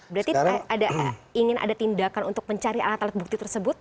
berarti ingin ada tindakan untuk mencari alat alat bukti tersebut